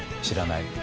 知らない？